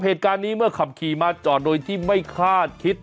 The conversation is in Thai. เหตุการณ์นี้เมื่อขับขี่มาจอดโดยที่ไม่คาดคิด